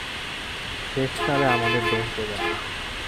শেষকালে আমাদের দোষ দেবেন না।